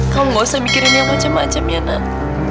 kamu gak usah mikirin yang macam macam ya nak